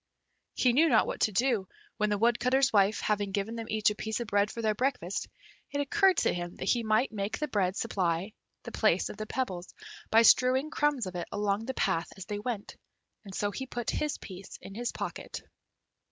He knew not what to do, when the Woodcutter's wife, having given them each a piece of bread for their breakfast, it occurred to him that he might make the bread supply the place of the pebbles by strewing crumbs of it along the path as they went, and so he put his piece in his pocket.